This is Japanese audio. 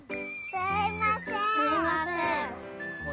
すいません。